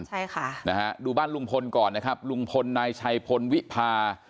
ใช่ค่ะนะฮะดูบ้านลุงพลก่อนนะครับลุงพลนายชัยพลวิพา